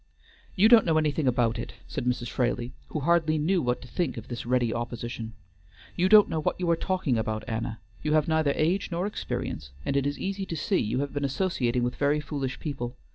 "You don't know anything about it," said Mrs. Fraley, who hardly knew what to think of this ready opposition. "You don't know what you are talking about, Anna. You have neither age nor experience, and it is easy to see you have been associating with very foolish people.